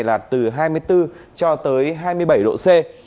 là từ hai mươi bốn cho tới hai mươi bảy độ c